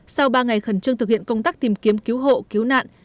sau ba ngày khẩn trương thực hiện công tác tìm kiếm cứu hộ cứu nạn